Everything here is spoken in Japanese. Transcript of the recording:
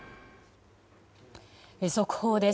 速報です。